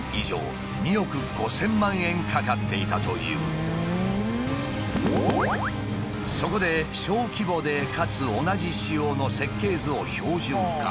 そのためそこで小規模でかつ同じ仕様の設計図を標準化。